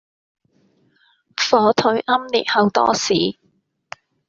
火腿奄列厚多士